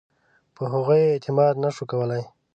په هغوی یې اعتماد نه شو کولای.